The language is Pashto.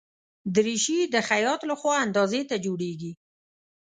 دریشي د خیاط له خوا اندازې ته جوړیږي.